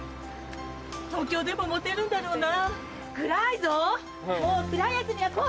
東京でもモテるんだろうな。